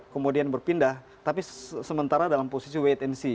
kemudian berpindah tapi sementara dalam posisi wait and see